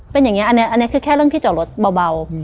เป็นอย่างนี้อันนี้คือแค่เรื่องที่จอดรถเบา